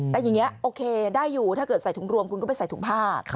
แต่อย่างนี้โอเคได้อยู่ถ้าเกิดใส่ถุงรวมคุณก็ไปใส่ถุงผ้า